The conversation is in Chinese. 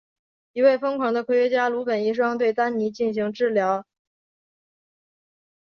一位疯狂的科学家鲁本医生对丹尼进行治疗。